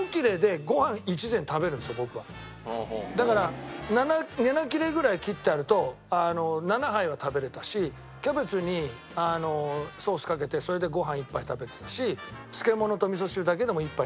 だから７切れぐらい切ってあると７杯は食べられたしキャベツにソースかけてそれでご飯１杯食べてたし漬物とみそ汁だけでも１杯食べてた。